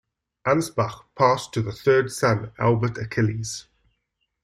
Ansbach passed to the third son Albert Achilles.